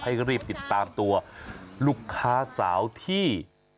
ให้รีบติดตามตัวลูกค้าสาวที่